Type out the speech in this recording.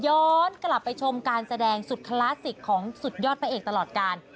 ย้อนกลับไปชมการแสดงสุดคลาสสิกของสุดยอดพระเอกตลอดการ